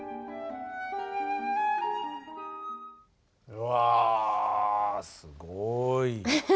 うわすごい。